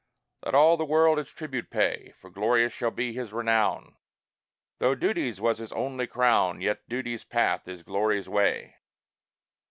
Let all the world its tribute pay, For glorious shall be his renown; Though duty's was his only crown, Yet duty's path is glory's way.